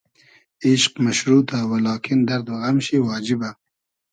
ایشق مئشروتۂ و لاکین دئرد و غئم شی واجیبۂ